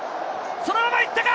そのまま行ったか？